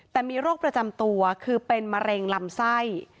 แต่มีโรคประจำตัวคือเป็นมะเร็งลำไส้